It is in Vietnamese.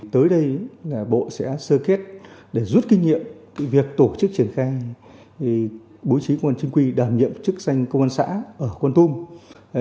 tới đây là bộ sẽ sơ kết để rút kinh nghiệm cái việc tổ chức triển khai bố trí công an chính quy đảm nhiệm các chức danh công an xã ở quân tung